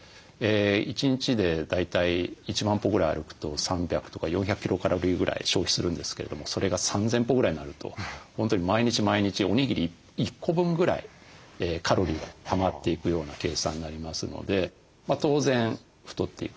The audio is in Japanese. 一日で大体１万歩ぐらい歩くと３００とか４００キロカロリーぐらい消費するんですけれどもそれが３，０００歩ぐらいになると本当に毎日毎日おにぎり１個分ぐらいカロリーがたまっていくような計算になりますので当然太っていくだろうと。